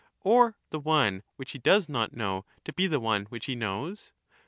or the one which he does not know to be the one which he knows